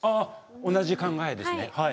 同じ考えですね。